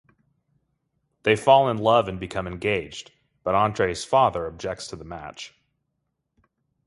They fall in love and become engaged, but Andrei's father objects to the match.